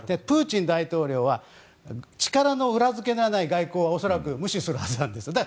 プーチン大統領は力の裏付けがない外交は恐らく無視するはずなんです。